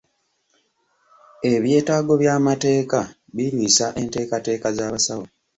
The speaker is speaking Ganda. Ebyetaago by'amateeka birwisa enteekateeka z'abasawo.